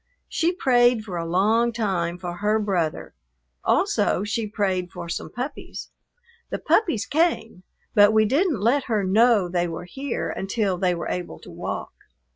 She prayed for a long time for her brother; also she prayed for some puppies. The puppies came, but we didn't let her know they were here until they were able to walk.